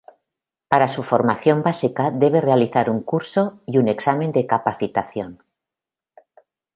Para su formación básica, debe realizar un curso y un examen de capacitación.